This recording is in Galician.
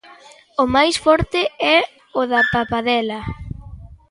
O máis forte é o da papadela.